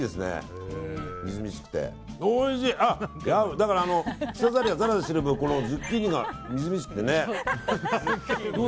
だから、舌触りがざらざらしてる分ズッキーニがみずみずしくてね。